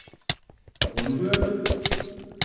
Onu gördün.